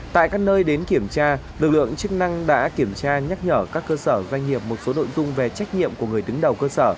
tại các nơi đến kiểm tra lực lượng chức năng đã kiểm tra nhắc nhở các cơ sở doanh nghiệp một số nội dung về trách nhiệm của người đứng đầu cơ sở